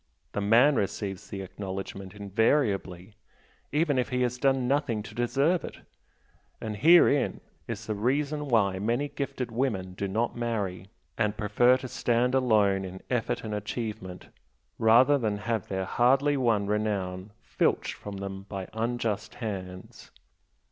The man receives the acknowledgment invariably, even if he has done nothing to deserve it, and herein is the reason why many gifted women do not marry, and prefer to stand alone in effort and achievement rather than have their hardly won renown filched from them by unjust hands.